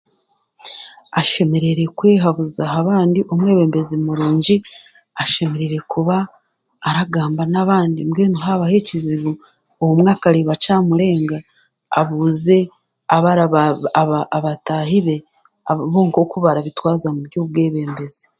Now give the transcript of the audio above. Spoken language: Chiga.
Ashemereire kwehabuza aha bandi, omwebembezi murungi ashemereire kuba aragamba n'abandi mbwenu haabaho ekizibu obumwe akareeba kyamurenga abuuze abari abatahi be bo nk'oku barabitwaza omu by'obwebembezi.